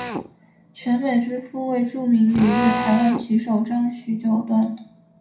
泉美之夫为著名旅日台湾棋手张栩九段。